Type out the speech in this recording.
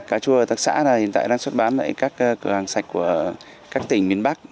cà chua hợp tác xã hiện tại đang xuất bán tại các cửa hàng sạch của các tỉnh miền bắc